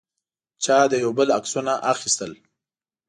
چا د یو بل عکسونه اخیستل.